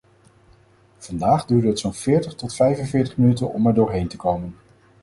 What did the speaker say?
Vandaag duurde het zo’n veertig tot vijfenveertig minuten om erdoorheen te komen.